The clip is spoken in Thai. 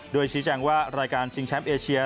โดยชี้แจงว่ารายการชิงแชมป์เอเชีย